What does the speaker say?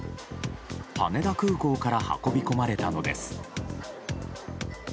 羽田空港から運び込まれたのです。